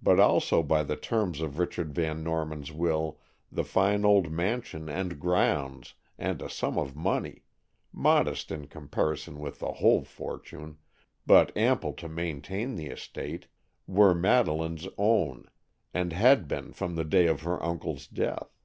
But also by the terms of Richard Van Norman's will the fine old mansion and grounds and a sum of money, modest in comparison with the whole fortune, but ample to maintain the estate, were Madeleine's own, and had been from the day of her uncle's death.